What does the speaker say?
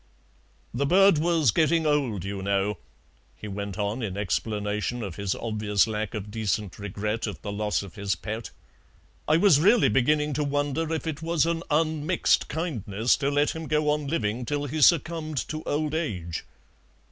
"The bird was getting old, you know," he went on, in explanation of his obvious lack of decent regret at the loss of his pet. "I was really beginning to wonder if it was an unmixed kindness to let him go on living till he succumbed to old age.